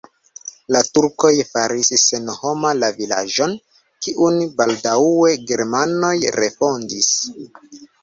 La turkoj faris senhoma la vilaĝon, kiun baldaŭe germanoj refondis.